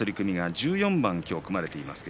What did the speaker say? １４番組まれています。